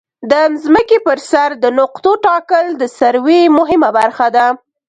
د ځمکې پر مخ د نقطو ټاکل د سروې مهمه برخه ده